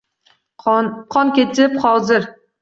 Qon kechib hozir